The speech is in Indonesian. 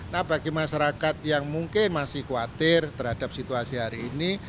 nah bagi masyarakat yang mungkin masih khawatir terhadap situasi hari ini